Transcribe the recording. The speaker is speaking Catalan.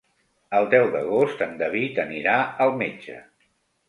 El deu d'agost en David anirà al metge.